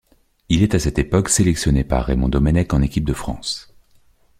Il est à cette époque sélectionné par Raymond Domenech en équipe de France.